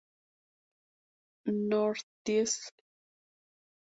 Northeast St.